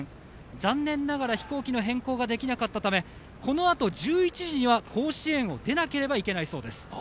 残念ながら飛行機の変更ができなかったためこのあと１１時には甲子園を出なければいけないそうです。